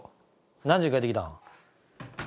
何時に帰ってきたん？